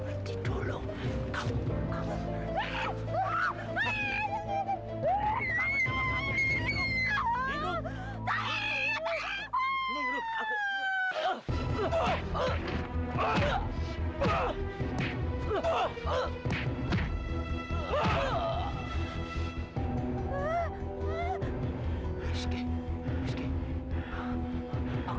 aku bapakmu nanda